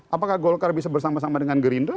apakah golkar bisa bersama sama dengan gerindra